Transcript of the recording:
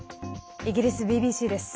イギリスＢＢＣです。